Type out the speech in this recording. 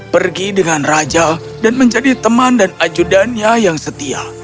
pergi dengan raja dan menjadi teman dan ajudannya yang setia